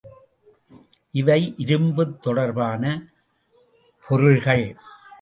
இவை இரும்புத் தொடர்பான பொருள்கள்.